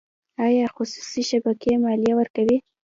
آیا خصوصي شبکې مالیه ورکوي؟